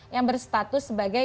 yang berstatus sebagai